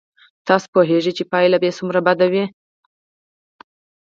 تاسو پوهېږئ چې پایله به یې څومره بد وي.